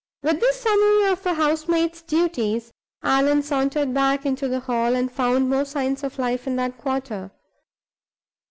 With this summary of a housemaid's duties, Allan sauntered back into the hall, and found more signs of life in that quarter.